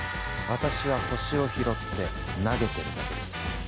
私は星を拾って投げてるだけです。